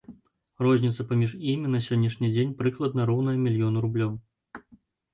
Розніца паміж імі на сённяшні дзень прыкладна роўная мільёну рублёў.